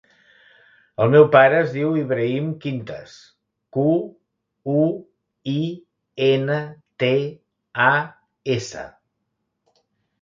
El meu pare es diu Ibrahim Quintas: cu, u, i, ena, te, a, essa.